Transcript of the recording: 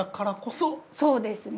そうですね。